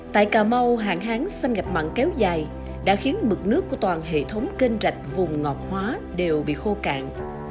tại cà mau hạn hán xâm nhập mặn kéo dài đã khiến mực nước của toàn hệ thống kênh rạch vùng ngọt hóa đều bị khô cạn